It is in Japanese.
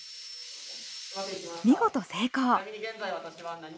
見事成功！